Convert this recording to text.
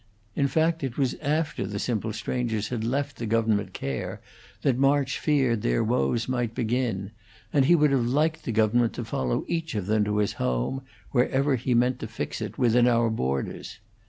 In fact, it was after the simple strangers had left the government care that March feared their woes might begin; and he would have liked the government to follow each of them to his home, wherever he meant to fix it within our borders.